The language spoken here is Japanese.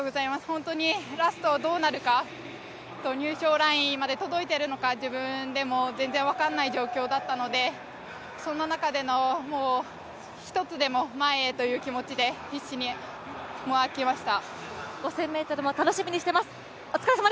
本当にラストどうなるか、入賞ラインまで届いているのか、自分でも全然分からない状況だったので、そんな中での、１つでも前へという気持ちで必死にもがきました。